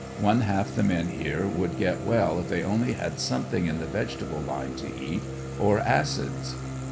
One half the men here would get well if they only had something in the vegetable line to eat, or acids.